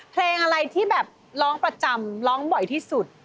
เพลงอะไรที่แบบร้องประจำร้องบ่อยที่สุด